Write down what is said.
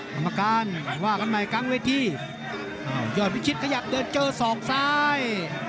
กรรมการว่ากันใหม่กลางเวทีอ้าวยอดวิชิตขยับเดินเจอศอกซ้าย